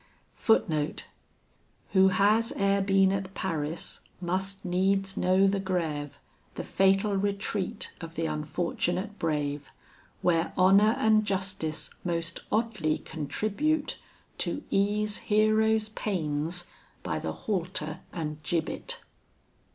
Who has e'er been at Paris must needs know the Greve, The fatal retreat of th' unfortunate brave, Where honour and justice most oddly contribute, To ease heroes' pains by the halter and gibbet.